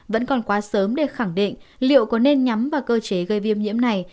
vẫn còn quá sớm để khẳng định liệu có nên nhắm vào cơ chế gây viêm nhiễm này